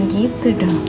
nah gitu dong